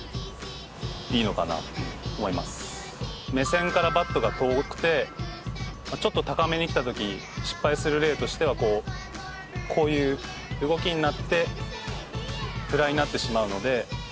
目線からバットが遠くてちょっと高めに来たとき失敗する例としてはこういう動きになってフライになってしまうので。